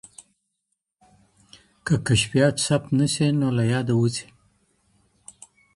که کشفیات ثبت نسي نو له یاده وځي.